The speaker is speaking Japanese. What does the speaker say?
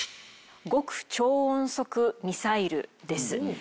極超音速ミサイルです。